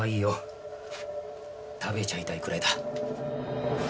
食べちゃいたいくらいだ。